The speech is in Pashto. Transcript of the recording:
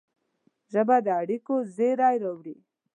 ژبه د اړیکو زېری راوړي